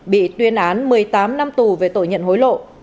bị tuyên án một mươi tám năm tù về tội nhận hối lộ